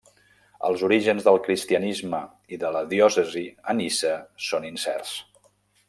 Els orígens del cristianisme i de la diòcesi a Niça són incerts.